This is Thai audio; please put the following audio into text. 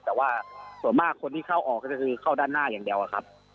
แต่ว่าส่วนมากคนที่เข้าออกก็คือเข้าด้านหน้าอย่างเดียวอะครับ